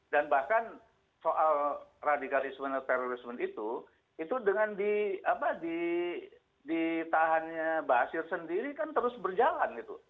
dan bahkan soal radikalisme dan terorisme itu itu dengan di apa di di tahannya basir sendiri kan terus berjalan gitu